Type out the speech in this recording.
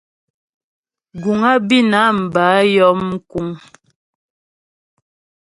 Guŋ á Bǐnam bə́ á yɔm mkúŋ.